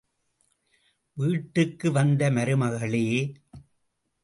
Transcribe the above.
வீட்டுக்கு வந்த மருமகளே!